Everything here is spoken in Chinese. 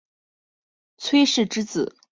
傕之子式。